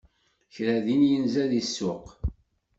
Kra din yenza di ssuq.